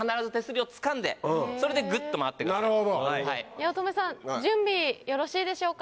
八乙女さん準備よろしいでしょうか？